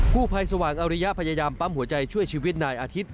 ผู้ภัยสว่างอริยะพยายามปั๊มหัวใจช่วยชีวิตนายอาทิตย์